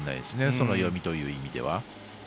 その読みという意味では。